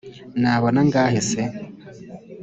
nabona angahe se?